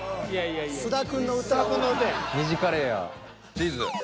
チーズ。